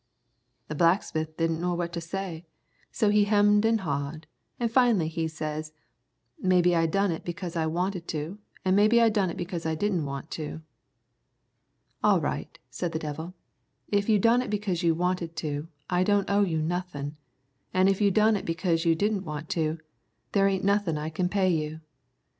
The blacksmith didn't know what to say, so he hemmed and hawed, an' finally he says, 'Maybe I done it because I wanted to, an' maybe I done it because I didn't want to.' 'All right,' said the devil; 'if you done it because you wanted to, I don't owe you nothin', an' if you done it because you didn't want to, there ain't nothin' I can pay you.'